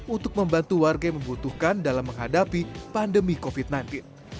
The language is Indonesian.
untuk membantu warga yang membutuhkan dalam menghadapi pandemi covid sembilan belas